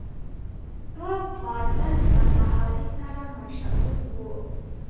په فاضل کندهاري سره مشهور و.